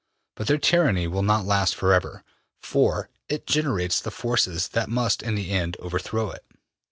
But their tyranny will not last forever, for it generates the forces that must in the end overthrow it.